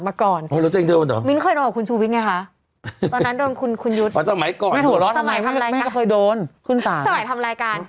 พึ่งรู้เพิ่งรู้เหมือนกันอะ